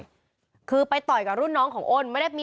ก็คือไปต่อยกับรุ่นน้องของโอน